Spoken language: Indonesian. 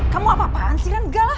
kamu apa apaan sih enggak lah